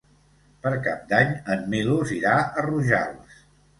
Per Cap d'Any en Milos irà a Rojals.